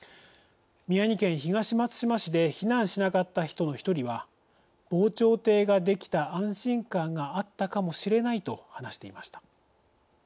宮城県東松島市で避難しなかった人の１人は防潮堤ができた安心感があったかもしれないと話していました。